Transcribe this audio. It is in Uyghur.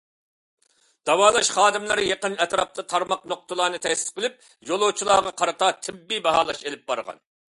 داۋالاش خادىملىرى يېقىن ئەتراپتا تارماق نۇقتىلارنى تەسىس قىلىپ، يولۇچىلارغا قارىتا تېببىي باھالاش ئېلىپ بارغان.